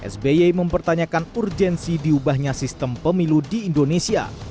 sby mempertanyakan urgensi diubahnya sistem pemilu di indonesia